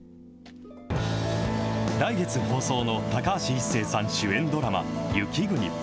来月放送の高橋一生さん主演ドラマ、雪国。